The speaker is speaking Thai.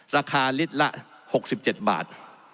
ราคาลิตรละ๖๗บาท